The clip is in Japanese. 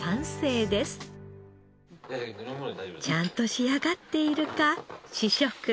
ちゃんと仕上がっているか試食。